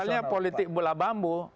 ya ini misalnya politik bola bambu